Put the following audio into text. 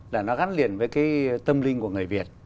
là nó gắn liền với cái tâm linh của người việt